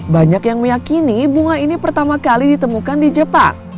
banyak yang meyakini bunga ini pertama kali ditemukan di jepang